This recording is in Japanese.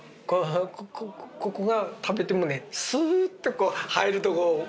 ここが食べてもねスーッと入るところかな。